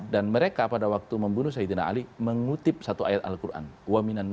dan mereka pada waktu membunuh sayyidina ali